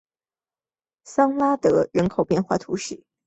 桑德拉人口变化图示